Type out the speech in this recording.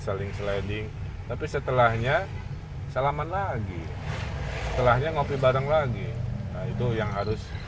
saling sliding tapi setelahnya salaman lagi setelahnya ngopi bareng lagi nah itu yang harus